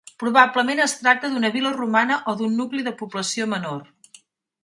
Probablement es tracta d'una vila romana o d'un nucli de població menor.